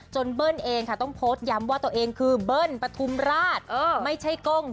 จนเบิ้ลต้องโพสต์ย้ำว่าตัวเองคือเบิ้ลปัทุมราช